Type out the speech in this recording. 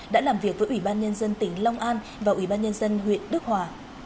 đã làm việc với ủy ban nhân dân tỉnh long an và ủy ban nhân dân huyện đức hòa